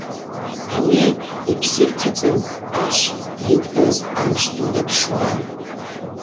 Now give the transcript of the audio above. Ауи йпсы йхъыцӏын ашв йыдгылаз амшвду дапшуан.